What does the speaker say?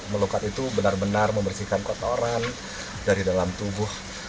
melukat itu benar benar membersihkan kotoran dari dalam tubuh